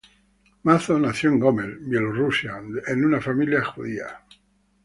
Mazo nació en Gómel, Bielorrusia en una familia judía.